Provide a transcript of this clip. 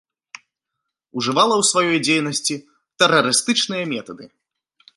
Ужывала ў сваёй дзейнасці тэрарыстычныя метады.